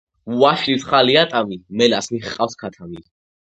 ვაშლი მსხალი ატამი მელას მიჰყავს ქათამი